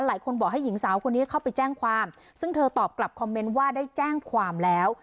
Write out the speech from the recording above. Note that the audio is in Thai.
หลายคนบอกให้หญิงสาวคนนี้เข้าไปแจ้งความซึ่งเธอตอบกลับคอมเมนต์ว่าได้แจ้งความแล้ว